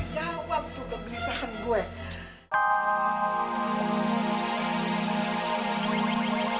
jawab tuh kebisahan gua